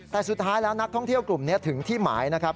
แต่สุดท้ายแล้วนักท่องเที่ยวกลุ่มนี้ถึงที่หมายนะครับ